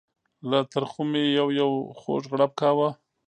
له ترخو مې یو یو خوږ غړپ کاوه.